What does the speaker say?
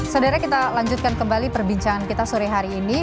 saudara kita lanjutkan kembali perbincangan kita sore hari ini